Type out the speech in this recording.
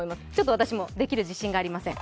私もできる自信がありません。